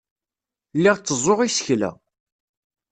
Lliɣ tteẓẓuɣ isekla.